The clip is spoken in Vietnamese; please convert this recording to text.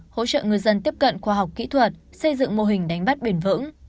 hỗ trợ người dân tiếp cận khoa học kỹ thuật xây dựng mô hình đánh bắt bền vững